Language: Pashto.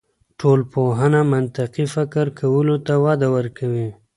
ټولنپوهنه منطقي فکر کولو ته وده ورکوي.